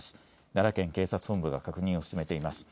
奈良県警察本部が確認を進めています。